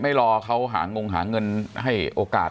รอเขาหางงหาเงินให้โอกาส